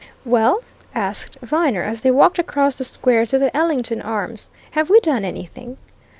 "Well?" asked Viner as they walked across the square to the Ellington Arms. "Have we done anything?"